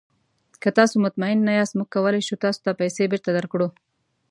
که تاسو مطمین نه یاست، موږ کولی شو تاسو ته پیسې بیرته درکړو.